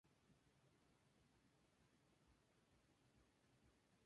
Trabajó a menudo en cooperación con el productor Carlo Ponti, marido de Sophia Loren.